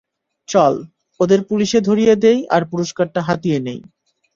চল, ওদের পুলিশে ধরিয়ে দেই আর পুরষ্কারটা হাতিয়ে নিই।